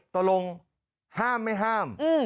ตกลงห้ามไม่ห้าม